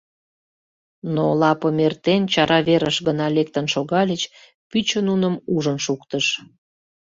Но, лапым эртен, чара верыш гына лектын шогальыч — пӱчӧ нуным ужын шуктыш.